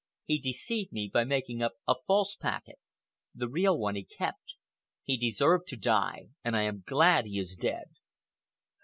He deceived me by making up a false packet. The real one he kept. He deserved to die, and I am glad he is dead."